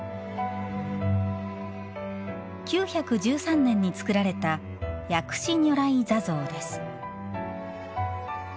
９１３年に造られた薬師如来坐像です。